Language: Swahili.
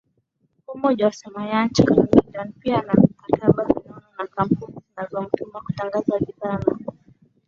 humo Jose Mayanja Chameleone pia ana mikataba minono na kampuni zinazomtumia kutangaza bidhaa na